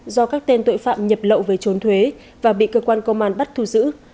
do các tên tội phạm nhập lậu về trốn thuế và bị cơ quan công an bắt thu giữ